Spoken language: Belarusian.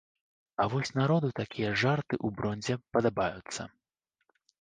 А вось народу такія жарты ў бронзе падабаюцца.